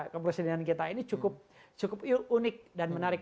kepresidenan kita ini cukup unik dan menarik